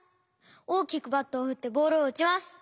おおきくバットをふってボールをうちます。